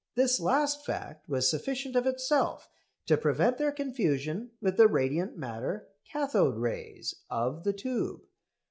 This last fact was sufficient of itself to prevent their confusion with the radiant matter "cathode rays" of the tube.